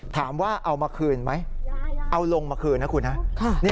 ถามว่าเอามาคืนไหมเอาลงมาคืนนะคุณฮะ